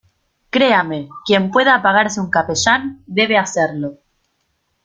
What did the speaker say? créame, quien pueda pagarse un capellán , debe hacerlo